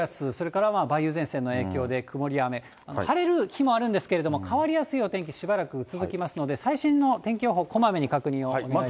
低気圧、それから梅雨前線の影響で曇りや雨、晴れる日もあるんですけど、変わりやすい天気しばらく続きますので、最新の天気予報、こまめに確認をお願いします。